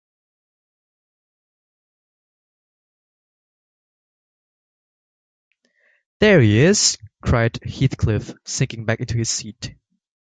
'There he is,’ cried Heathcliff, sinking back into his seat.